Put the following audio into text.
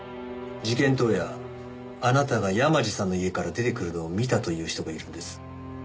事件当夜あなたが山路さんの家から出てくるのを見たという人がいるんです。